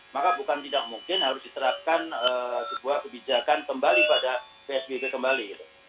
maka bukan tidak mungkin harus diterapkan sebuah kebijakan kembali pada psbb kembali